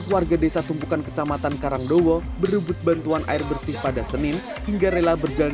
warga desa tumpukan kecamatan karangdowo berebut bantuan air bersih pada senin hingga rela berjalan